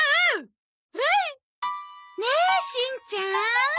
ねえしんちゃん。